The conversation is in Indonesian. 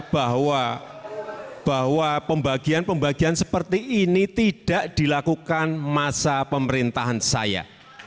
bahwa pembagian pembagian seperti ini tidak dilakukan masa pemerintahan saya